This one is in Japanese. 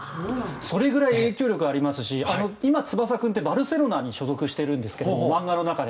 それぐらい影響力がありますし今、翼君ってバルセロナに所属しているんですが漫画の中で。